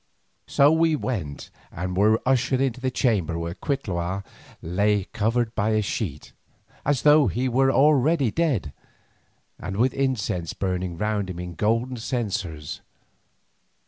So we went and were ushered into a chamber where Cuitlahua lay covered by a sheet, as though he were already dead, and with incense burning round him in golden censers.